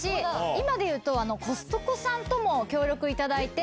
今でいうと、コストコさんとも協力いただいて。